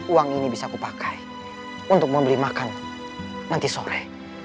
uang ini bisa kupakai untuk membeli makan nanti sore